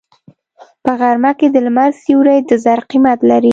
په غرمه کې د لمر سیوری د زر قیمت لري